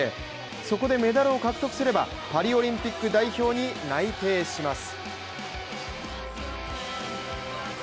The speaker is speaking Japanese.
そこでメダルを獲得すればパリオリンピック代表に内定します。